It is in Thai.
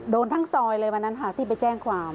โดนทั้งซอยเลยเมื่อนั้นที่ไปแจ้งความ